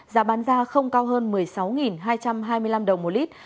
giá bán ra không cao hơn một mươi sáu hai trăm hai mươi năm đồng một lít